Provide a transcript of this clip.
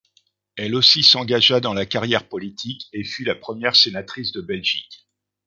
Elle aussi s’engagea dans la carrière politique et fut la première sénatrice de Belgique.